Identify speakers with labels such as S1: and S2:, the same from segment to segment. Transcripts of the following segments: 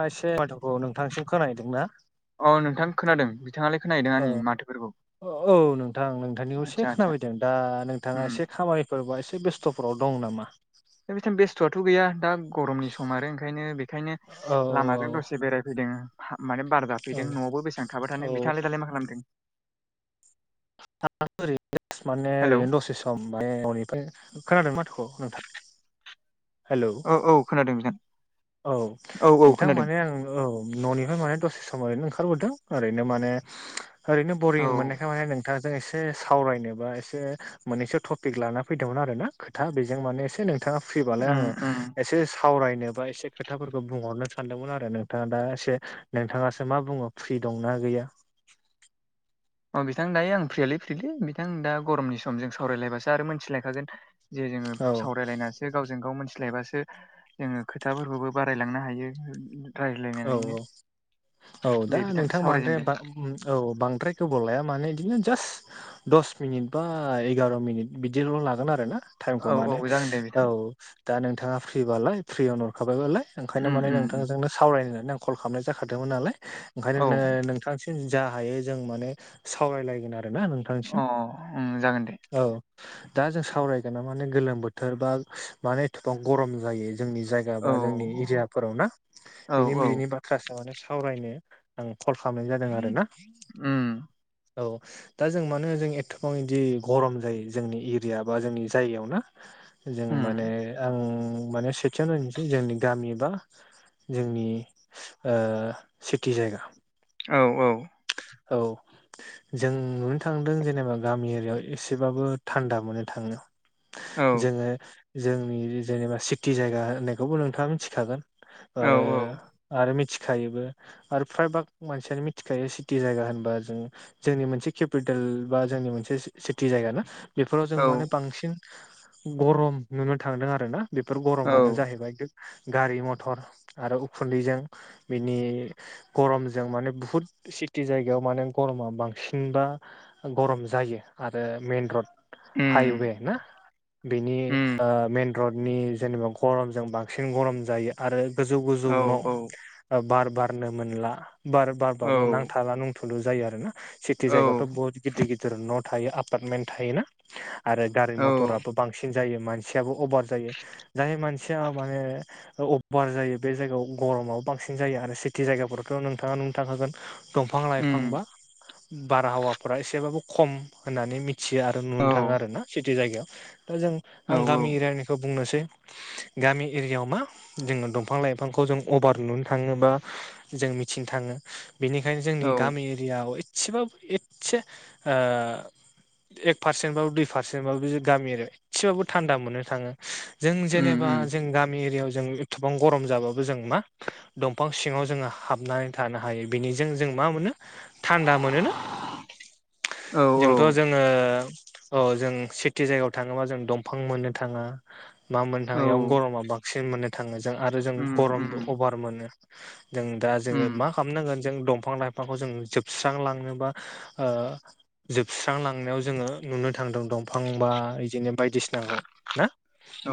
S1: एसे मथ'खौ नोंथांसिम खोनदों ना?
S2: औ नोंथांखौ। खोनादों बिथाङालायोनायदों आंनि
S1: औ
S2: माथोफोरखौ।
S1: औ नोंथां नोंथांनिखौ एसे
S2: आदसा आदसा
S1: खोनाबायदों दा नोंथाङा
S2: उम
S1: एसे खामाय सोरबा एसे बेस्थ'फोराव दं नामा?
S2: द बिथि बेस्थ'आथ' गैया दा गरमनि सम आरो ओंखायनो बेखायनो।
S1: औ
S2: लामाजों दसे बेरायफैदों माने बार जा
S1: औ
S2: फैदों न'आवबो बेसेबां थाबाय
S1: औ
S2: थादों बिथांलाय दालाय मा खालामदों।
S1: ओरैनो माने
S2: हेलौ
S1: ओरैनो दसे सम माने ननिफ्राय खोनादों माथोखौ नोंथां? हेलौ
S2: औ औ खोनादों बिथां
S1: औ
S2: औ औ
S1: नोंथां
S2: खोनादों
S1: माने आं औ न'निफ्राय माने दसे सम ओरैनो ओंखारबोदों ओरैनो माने ओरैनो बरिं
S2: औ
S1: मोननायखाय माने नों खोथाजों एसे सावरायनोबा एसे मोननैसो टपिक लाना फैदोंमोन आरो ना ख ा बेजों माने एसे नोंथाङा फ्रिबालाय
S2: उम
S1: आङो
S2: उम
S1: एसे सावरायनो बा एसे खोथाफोरखौ बुंहरनो सानदोंमोन आरो नोंथाङा दा एसे नोंथाङासो मा बुङो फ्रि दंना गैया?
S2: अ बिथां दायो आं फ्रियालि फ्रियलि बिथां दा गरमनि समजों सावरायलायबासो आरो मोनथिलायखागोन। जे जोङो
S1: औ
S2: सावरायलायना गावजों गाव मिथिलायबासो जोङो खोथाफोरखौबो बारायलांनो हायो।
S1: औ
S2: रायज्लायनानैनो
S1: औ औ दा
S2: दे बिथां
S1: नोंथां मानोद्राय-
S2: सावरायजेनदो
S1: औ बांद्राय गोबाव लाया माने बिदिनो जास्ट दस मिनिट बा एगार' मिनिट बिदिल' लागोन आरो ना टाइमखौ
S2: औ
S1: माने
S2: औ जागोन दे बिथां
S1: औ। दा नोंथाङा फ्रिबालाय फ्रियावनो हरखाबाय बालाय ओंखायनो
S2: उम
S1: माने
S2: उम उम।
S1: नोंथांजोंनो सावरायनो होननानै आं कल खालामनाय जाखादोंमोन नालाय ओंखायनो
S2: औ
S1: नोंथांसिम जा हायो जों माने सावरायलायगोन आरो ना नोंथांसिम
S2: अ उम जागोन दे
S1: औ दा जों सावरायगोन ना माने गोलोम बोथोर बा माने एथ'बां गरम जायो जोंनि जाय गा
S2: औ
S1: बा जोंनि एरियाफोराव ना
S2: औ औ
S1: बिनि [unintelligible] बाथ्रासो माने सावरायनो आं कल खालामनाय जादों आरो ना।
S2: उम।
S1: औ। दा जों मानो जों एथ'बां बिदि गरम जायो जोंनि एरिया बा जोंनि जायगायाव ना। जों माने
S2: उम
S1: आं माने सेथियाव नायनोसै जोंनि गामिबा जोंनि सिटि जायगा
S2: औ औ।
S1: औ। जों नुनो थांदों जेनेबा गामि एरियाव एसेबाबो थान्दा मोननो थाङो। जोङो जोंनि जेनेबा सिटि जायगा होननायखौबो नोंथाङा मिथिखागोन
S2: औ
S1: आरो आरो मिथिखायोबो आरो फ्रायभाग मानसियानो मिथिखायो सि टि जायगा होनबा जों जोंनि मोनसे केपिटेल बा जोंनि मोनसे सिटि जायगा ना बेफोराव जों
S2: औ
S1: माने बांसिन गरम नुनो थांदों आरोना बेफोर
S2: औ
S1: गरमानो जाहैबाय गारि मथर आरो उखुन्दैजों बिनि गरमजों माने बुहुत सि टि जायगायाव माने गरमा बांसिनबा गरम जायो आरो मेन रड
S2: उम
S1: हाइवे ना बेनि
S2: उम
S1: ओ मेन रडनि जेनेबा गरमजों बांसिन गरम जायो। आरो गोजौ गोजौ
S2: औ
S1: न' ओ बार बारनो मोनला बार
S2: औ
S1: बारबाबो नां थाला नुंथुलु जायो आरो ना सिटि
S2: औ
S1: जायगायावथ' बुहुत गिदिर गिदिर न' थायो आपार्टमेन्ट थायो ना। आरो गारि मथराबो बांसिन जायो मानसियाबो अभार जायो। जाय मानसिया माने अबभार जायो बे जायगायाव गरमाबो बांसिन जायो आरो सिटि जायगाफोरावथ' नोंथाङा नुनो थांखागोन‌ दंफां लाइफां
S2: उम
S1: बा बारहावाफोरा एसेबाबो खम होननानै मि थियो आरो
S2: औ
S1: नुनो थाङो आरोना सिटि जायगायाव दा जों
S2: औ
S1: आं गामि एरियानिखौ बुंनोसै गामि एरियाव मा जोङो दंफां लाइफांखौ जों अभार नुनो थाङो बा जों मिथिनो थाङो बेनिखायनो जोंनि
S2: औ
S1: गामि एरिया एसेबाबो एसे ओ एक पारसेन्टबाबो दुइ पारसेटबाबो गामियारियाव एसेबाबो थान्दा मोननो थाङो जों
S2: उम
S1: जेनेबा
S2: उम
S1: जों गामि एरियाव जों गोबां गरम जाबाबो जों मा दंफां सिङाव हाबनानै जों थानो हायो। बिनिजों जों मा मोनो थानदा मोनो ना
S2: औ
S1: जों थ' जोङो औ जों सिटि जायगायाव थाङोबा जों दंफां मोननो थाङा मा मोननो थाङो
S2: औ
S1: इयाव गरमा बांसिन मोननो थाङो जों आरो जों
S2: उम
S1: गरमबो
S2: उम
S1: अभार मोनो जों दा जोङो मा
S2: उम
S1: खालामनांगोन जों दंफां लाइफांखौ जों जोबस्रांलांनोबा ओ जोबस्रांलांनायाव जोङो नुनो थांदों दंफां बा बिदिनो बायदिसिनाखौ ना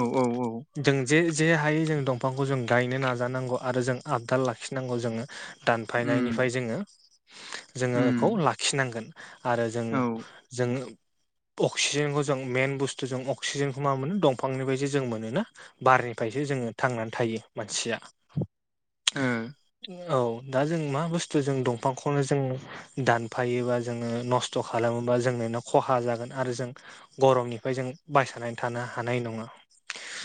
S2: औ औ औ
S1: जों जे जे हायै जों दंफांखौ जों गायनो नाजानांगौ आरो जों आबदाल लाखिनांगौ जोङो दानफायनायनिफ्राय जोङो जोङो बेखौ लाखिनांगोन आरो जों जों अक्सिजेनखौ जों मेन बुस्थु जों अक्सिजेनखौ मा मोनो दंफांनिफ्रायसो जों मोनो ना बारनिफ्रायसो जोङो थांनानै थायो मानसिया
S2: [inaudible]
S1: औ दा जों मा बुस्थु जों दंफांखौनो जों दानफायोबा जोङो नस्थ' खालामोबा जोंनोनो खहा जागोन आरो जों गरमनिफ्राय जों बायसनानै थानो हानाय नङा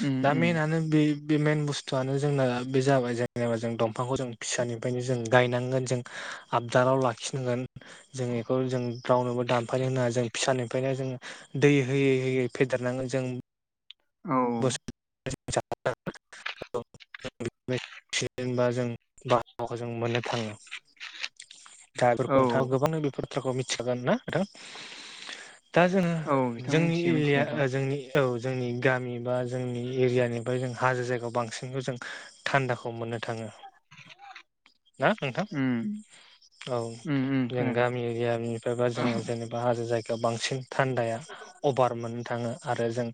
S2: उम
S1: दा
S2: उम
S1: मेनानो बे बे मेन बुस्थुआनो जोंना बे जाबाय जेनेबा जों दंफांखौ जों फिसानि ओफायो जों गायनांगोन जों आबदालाव लाखिनांगोन जों बेखौ जों रावनोबो दानफायानो होनाङा जों फिसानिफ्रायनो जों दै होयै होयै फेदेरनांगोन जों
S2: औ ओ उम
S1: बस [unintelligible] अक्सिजेन बा जों बाराहावाखौ जों मोननो थाङो दा
S2: औ
S1: बेफोरखौ नोंथाङा गोबां बे बाथ्राखौ मिथिखागोन ना नोंथां दा जोङो
S2: औ बिथां
S1: जोंनि
S2: मिथियो
S1: एरिया
S2: मिथिनायाथ'
S1: जोंनि औ जोंनि गामि बा जोंनि एरियानिफ्राय जों हाजो जायगायाव बांसिनखौ जों थान्दाखौ मोननो थाङो ना नोंथां
S2: उम
S1: औ
S2: उम उम
S1: जों
S2: खोनादों
S1: गामि एरियानिफ्राय बा जोङो जेने बा हाजो जायगायाव बांसिन थान्दाया अभार मोननो थाङो आरो जों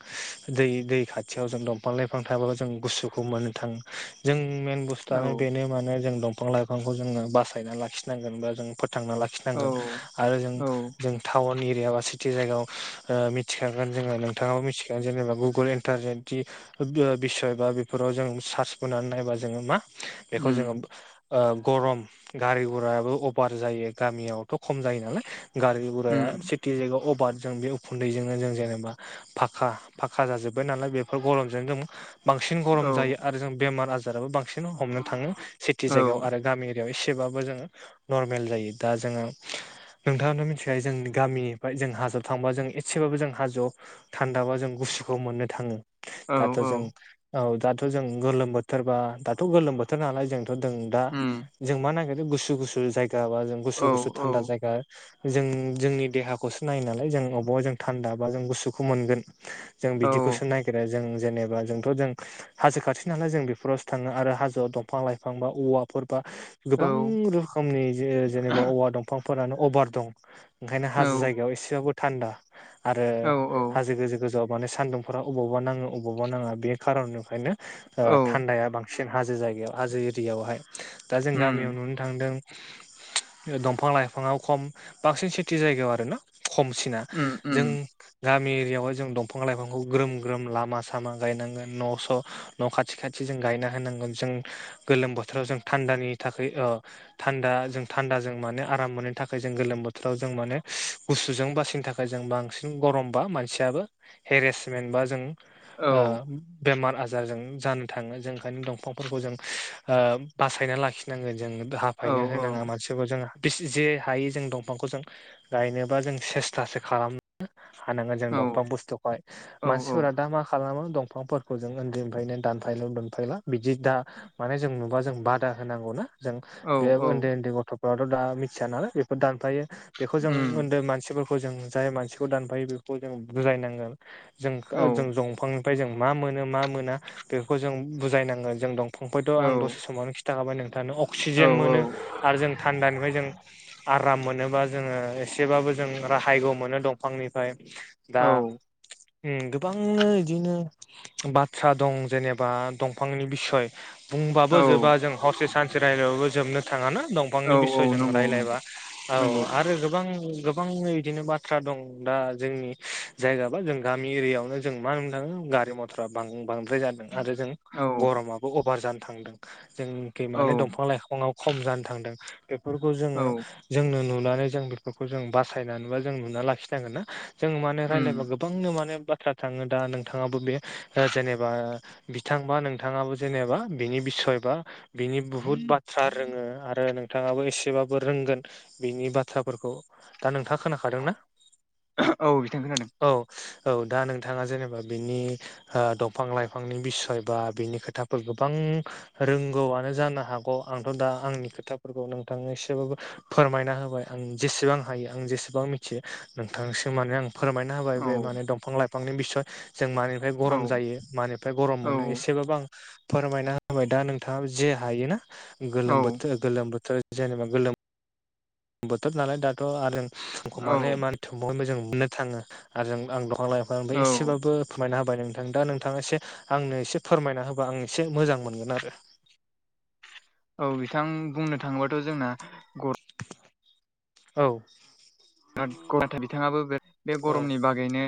S1: दै दै खाथियाव जों दंफां लाइफां थायाब्ला जों गुसुखौ मोननो थाङो जों मेन बुस
S2: औ
S1: थुआनो बेनो माने जों दंफां लाइफांखौ जोङो बासायना लाखिनांगोन बा जों फोथांना लाखि
S2: औ
S1: नांगोन आरो जों
S2: औ
S1: जों टाउन एरिया बा सिटि जायगायाव ओ मिथिखागोन जोङो नोंथाङाबो मिथिखागोन जेनेबा गुगोल ए इन्टारनेटनि ओ बिसय बा बेफोराव जों सार्स बोनानै नायबा जोङो मा बेखौ जोङो
S2: उम
S1: ओ गरम गारि गुरायाबो अभार जायो गामियावथ' खम जायो नालाय गारि गुराया
S2: उम
S1: टि जायगायाव अबार जों बे उखुन्दैजोंनो जों जेनेबा फाखा फाखा जाजोब बाय नालाय बेफोर गरमजों जों बांसिन
S2: औ
S1: गरम जायो आरो जों बेमार आजाराबो बांसि हमनो थाङो सिटि
S2: औ
S1: जायगायाव आरो गामि एसेबो जों नर्मेल जायो दा जोङो नोंथाङानो मिथिखायो जोंनि गामिनिफ्राय जों हाजोआव थांबा जों एसेबाबो जों हाजो थान्दाबा जों गुसुखौ मोनो थाङो
S2: औ
S1: दाथ'
S2: औ
S1: जों औ दाथ' जों गोलोम बोथोरबा दाथ' गोलोम बोथोर नालाय जों जों दा
S2: उम
S1: जों मा नागिरदों गुसु गुसु जायगा बा जों
S2: औ
S1: गुसु गुसु थान्दा जायगा जों जोंनि देहाखौसो नायो नालाय जों अबाव जों थान्दा बा जों गुसुखौ मोनगोन जों
S2: औ
S1: बिदिखौसो नागिरो जों जेनेबा जोंथ' जों हाजो खाथि नालाय जों बेफोरावसो थाङो आरो हाजोआव दंफां लाइफां बा औवाफोर बा गोबां रोखोमनि जेनेबा औवा दंफांफोरानो अभार दं ओंखायनो हाजो
S2: औ
S1: जायगायाव एसेबाबो थान्दा आरो
S2: औ औ
S1: हाजो गोजौ गोजौआव मान सान्दुं फोरा अबावबा नाङो अबावबा नाङा बे खारननिायनो
S2: औ
S1: थान्द बां सिन हाजो जायगायाव हाजो एरियायावहाय दा जों गामियाव
S2: उम
S1: नुनो थांदों दंफां लाइफाङाव खम बांसिन सिटि जायगायाव आरोना खमसिना
S2: उम
S1: जों
S2: उम
S1: गामि एरियायावहाय जों दंफां लाइफां खौ ग्रोम ग्रोम लामा सामा गायनांगोन न' न' खाथि खाथि जों गायना होनांगोन जों गोलोम बोथोराव जों थान्दानि थाखाय अ थान्दा जों थान्दा जों माने आराम मोननायनि थाखाय जों गोलोम बोथोराव जों माने गुसुजों बासिनो थाखाय जों बांसिन गरमबा मानसियाबो हेरेसमेन्ट बा जों
S2: औ
S1: ओ बेमार आजार जों जानो थाङो जों ओंखायनो दंफांफोरखौ जों आ बाहायना‌ लाखि नांगोन जों
S2: औ
S1: फायनो
S2: औ
S1: होनङा मानसि जों जे हायि जों दंफांखौ जों गायनोबा जों सेस्थासो खालाम हानांगोन जों दंफां बुस्थुखौहाय
S2: औ
S1: मानसिफोरा दा मा खालामो दंफांफोर खौ जों उन्दैनिफ्रायनो दानफायलु दुनफायला बिदि दा माने जों नुबा जों बादा होनांगौ ना जों
S2: औ
S1: बे
S2: औ
S1: उन्दै उन्दै गथ'फोराथ दा मिथिया नालाय बेफोर दानफायो बेखौ जों
S2: उम
S1: ओन्दै मानसिफोरखौ जों जाय मानसिखौ दानफायो बेखौ जों बुजायनांगोन जों
S2: औ
S1: जों दंफांनिफ्राय जों मा मोनो मा मोना बेफोरखौ जों बुजायनांगोन जों दं फंफबायथ
S2: औ
S1: आं दसे समावनो खिन्थाखाबाय नोंथांनो अक्सिजेन
S2: औ
S1: मोनो आरो जों थान्दानिफ्राय जों आराम मोनोबा जोङो एसेबाबो जों राहायग मोनो दंफांनिफ्राय दा गोबांनो इदिनो बाथ्रा दं जेनेबा दंफांनि बिसय बुंबाबो जोबा जों हरसे सानसे रायजलायबाबो जोबनो थाङाना
S2: औ
S1: दंफांनि
S2: औ
S1: बिसय जों
S2: नंगौ
S1: रायज्लायबा
S2: नंगौ
S1: औ
S2: नंगौ
S1: आरो गोबां गोबां इ दिनो बाथ्रा दं दा जोंनि जायगा जों गामि एरियावनो जों मानो थाङो गारि मथर बांद्राय जादों आरो जों
S2: औ
S1: गरमा अभार जानो थांदों जोंखै
S2: औ
S1: माने दंफां लाइफाङा खम जानो थांदों बेफोरखौ जोङो
S2: औ
S1: जोंनो नुनानै जों बेफोरखौ जों बासायनानैबा जों नुना लाखिनांगोन ना जों माने रायलायबा
S2: उम
S1: गोबांनो माने बाथ्रा थाङो दा नोंथाङाबो बे जेनेबा बिथां बा नोंथाङाबो जेनेबा बिनि बिसय बा बिनि बुहुत बाथ्रा रोङो आरो नोंथाङाबो एसेबाबो रोंगोन बिनि बाथ्राफोरखौ दा नोंथाङा खोनाखादोंना
S2: औ बिथां खोनादों
S1: औ औ दा नोंथाङा जेनेबा बिनि ओ दंफां लाइफांनि बिसय बा बिनि खोथाफोर गोबां रोंगौआनो जानो हागौ आंथ दा आंनि खोथाफोरखौ नोंथांनो एसेबाबो फोरमायना होबाय आं जेसेबां हायो आं जेसेबां मिथियो नोंथांसिम माने आं फोरमाय यना होबाय बे
S2: खोनादों
S1: माने दंफां लाइफांनि बिसय जों मा निफ्राय
S2: औ औ
S1: गरम जायो मानिफ्राय गरम मोनो
S2: औ
S1: एसेबाबो आं फोरमायना होबाय दा नोंथाङाबो जे हायोना गोलोम
S2: औ
S1: बोथोर गोलोम बोथोर जेनेबा गोलोम बोथोर नालाय दाथ आरो आंखौ माने
S2: औ
S1: मा दंफांनिफ्राय जों मोननो थाङो आरो जों आं दंफां लाइफांफ्राय
S2: औ
S1: एसेबाबो फोरमायना होबाय नोंथां दा नोंथाङा एसे आंनो एसे फोरमायना होबा आं एसे मोजां मोनगोन आरो
S2: औ बिथां बुंनो थाङोबाथ जोंना
S1: औ
S2: बिराद गरम नाथाय बिथाङाबो बे
S1: औ
S2: गरमनि बागै नो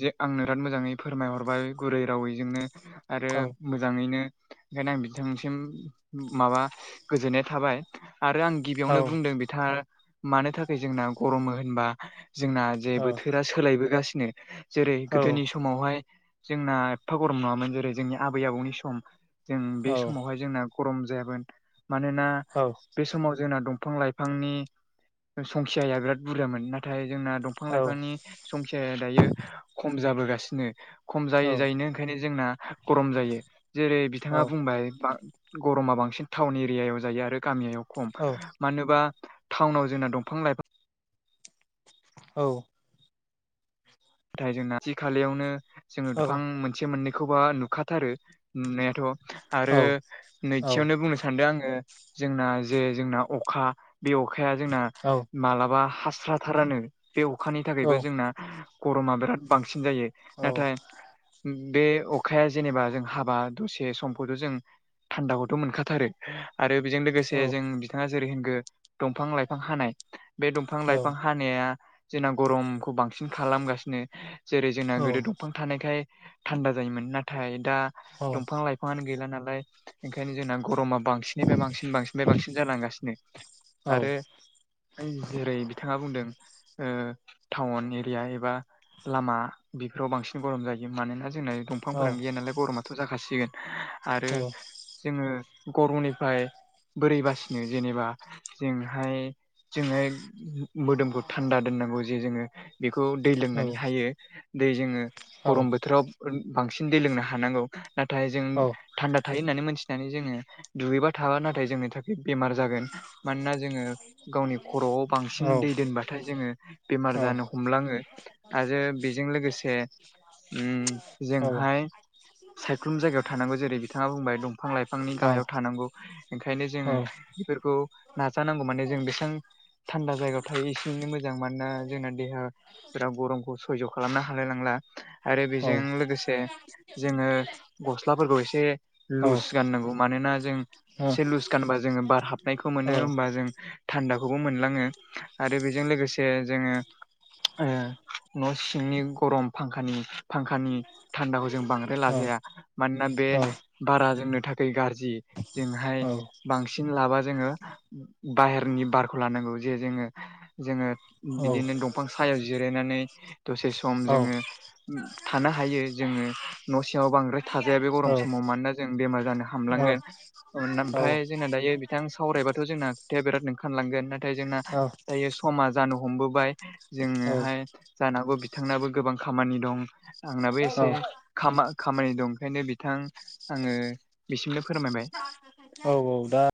S2: जे आंनो बिराद मोजाङै फोरमायहरबाय गुरै रावैजोंनो आरो मो जाङैनो ओंखायनो आं बिथांसिम माबा गोजोननाय थाबाय आरो आं
S1: औ
S2: गिबियावनो बुंदों बिथाङा मानो थाखाय जोंना गरमो होनबा जोंना जे बोथोरा सोलायबोगासिनो जेरै
S1: औ
S2: गोदोनि समावहाय जोंना एफा गरम नङामोन जेरै जोंनि आबै आबौनि सम। जों बे
S1: औ
S2: समावहाय जोंना गरम जायामोन मानोना।
S1: औ।
S2: बे समाव जोंना दंफां लाइफांनि संखियाया बिराद बुरजामोन नाथाय जोंना दं फां लाइफांनि संख्याया दायो खम जाबोगासिनो। खम जायै जायैन ओंखायनो जोंना गरम जायो जेरै
S1: औ
S2: बिथाङा बुंबाय। गरमा बांसिन टाउन एरियायाव जायो आरो गामियायाव खम।
S1: औ
S2: मानोबा टाउनाव जोंना दंफां-लाइफां
S1: औ।
S2: नाथाय जोंना खाथि खालायावनो जोङो
S1: औ
S2: बिफां मोनसे मोननैखौबा नुखाथारो नुनायाथ'। आरो
S1: औ
S2: नैथियावनो बुंनो सानदो आङो जोंना जे जोंना अखा बे अखाया जोंना मालाबा हास्रााथारानो बे अखानि थाखायबो जोंना। गरमा बिराद बांसिन जायो नाथाय। बे अखाया जेनेबा जों हाबा दसे समखौथ' जों थान्दाखौथ' मोनखाथारो। आरो बेजों लोगोसे जों बिथाङा जेरै होनगो दंफां-लाइफां हानाय बे दंफां लाइफां हानाया जोंना गरमखौ बांसिन खालामगासिनो जेरै जोंना गोदो दंफां थानायखाय थान्दा जायोमोन नाथाय दा दंफां-लाइफां बिफाङानो गैला नालाय ओंखायनो जोंना गरमा बांसिननिफ्राय बांसिन बांसिननिफ्राय बांसिन जालांगासिनो आरो। जेरै बिथाङा बुंदों टाउन एरि या एबा लामा बेफोराव बांसिन गरम जायो मानोना जोंना दंफांफोरानो गैया नाल गम थ' जाखासिगोन आरो जोङो गरमनिफ्राय। बोरै बासिनो जेनेबा जोंहाय जोङो मोदोमखौ थान्दा दोननांगौ जे जोङो। बेखौ दै लोंनानै हायो दै जोङो गरम बोथोराव। बांसिन दै लोंनो हानांगौ नाथाय जों थान्दा थायो होननानै मोनथिनानै जोङो। दुगैबा थाबा नाथाय जोंनि थाखाय बेमार जागोन मानोना जोङो। गावनि खर'आव बांसिन दै दोनबाथाय जोङो बेमार जानो। हमलाङो आरो बेजों लोगोसे जोंहाय। सायख्लुम जायगायाव थानांगौ जेरै बिथाङा बुंबाय दं। बिफां लाइफांनि गाहायाव थानांगौ ओंखायनो जोङो बेफोरखौ। नाजानांगौ माने जों बेसेबां थान्दा जायगायाव थायो एसे एनै मोजां मानोना जोंना देहाया। बिर गरमखौ सयज' खालामनो हालाय लांला आरो बेजों लोगोसे। जोङो गस्लाफोरखौ एसे
S1: औ
S2: लुज गाननांगौ मानोना जों
S1: औ
S2: ए लुस गानोबा जोङो बार हाबनायखौ मोनो होमबा जों। थान्दाखौबो मोनलाङो आरो बेजों लोगोसे जोङो। न' सिंनि गरम फांखानि फांखानि थान्दाखौ जों बांद्राय लाजाया मानोना बे बारा जोंनो थाखाय गाज्रि। जोंहाय बांसिन लाबा जोङो बाहेरनि बारखौ लानांगौ जे जोङो जोङो‌। बिदिनो दंफां सायाव जिरायनानै दसे सम जोङो। थानो हायो जोङो न' सिङाव बांद्राय थाजाया बे गरम
S1: औ-औ-औ-औ-औ-औ-औ-औ-औ-औ-औ-औ-औ-औ-औ-औ-औ-औ
S2: समाव मानोना जों बेमार जानो हामलांगोन ओमफ्राय जोंना दायो बिथां सावरायबाथ' जोंना खोथाया बिराद ओंखारलांगोन नाथाय जोंना दायो। समा जानो हमबोबाय जोङोहाय जानांगौ बिथांनाबो गोबां खामानि दं। आंनाबो एसे। खामानि दं ओंखायनो बिथां आङो बिसिमनो फोरमायबाय
S1: औ औ दा